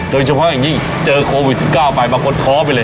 โดยเฉพาะอย่างงี้เจอโควิดสิบเก้าไปมาคดท้อไปเลย